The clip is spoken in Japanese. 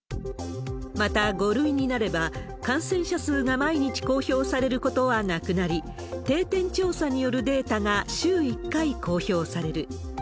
また、５類になれば、感染者数が毎日公表されることはなくなり、定点調査によるデータが週１回公表される。